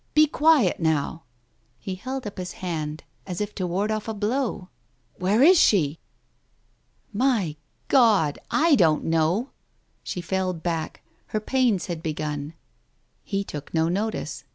Be quiet, now!" He held up his hand, as if to ward off a blow. "Where is she?" "My God, /don't know." She fell back. Her pains had begun. He took no notice.